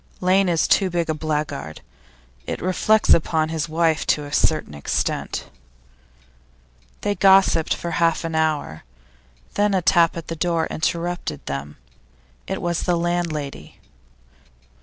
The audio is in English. Lane is too big a blackguard; it reflects upon his wife to a certain extent.' They gossiped for half an hour, then a tap at the door interrupted them; it was the landlady.